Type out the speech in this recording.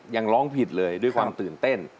ร้องผิดเลยด้วยความตื่นเต้น